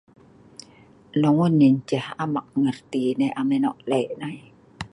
Non yah enceh, am ngerti, am ek leh' nai.